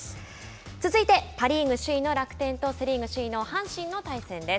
続いて、パ・リーグ首位の楽天とセ・リーグ首位の阪神の対戦です。